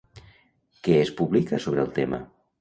Què es publica sobre el tema?